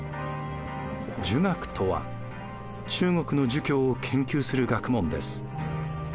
儒学とは中国の儒教を研究する学問です。